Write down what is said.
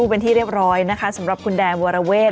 เป็นที่เรียบร้อยนะคะสำหรับคุณแดนวรเวท